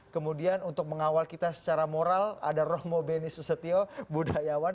kemudian untuk mengawal kita secara moral ada romo beni susetio budayawan